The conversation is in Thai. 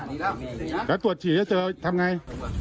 เศษตัวตรวจฉีดเจอทำไง